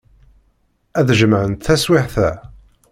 Ad jemɛent taswiɛt-a.